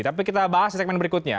tapi kita bahas di segmen berikutnya